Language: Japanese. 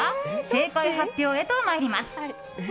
正解発表へと参ります。